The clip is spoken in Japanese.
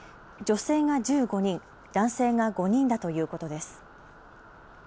女性が１５人、男性が５人だということです。